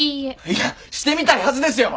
いやしてみたいはずですよ！